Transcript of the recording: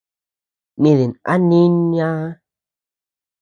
Nídin a nínaa.